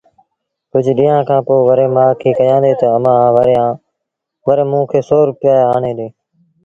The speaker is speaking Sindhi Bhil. ڪجھ ڏيݩهآݩ کآݩ پو وري مآ کي ڪهيآݩدي تا امآݩ وري موݩ کي سو روپيآ آڻي ڏي